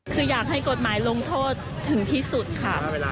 คืออยากให้กฎหมายลงโทษถึงที่สุดค่ะ